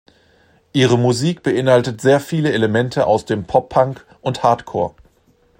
Ihre Musik beinhaltet sehr viele Elemente aus dem Poppunk und Hardcore.